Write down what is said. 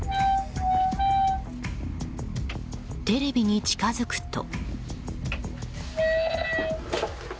テレビに近づくと。